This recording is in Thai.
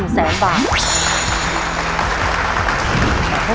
สวัสดีครับ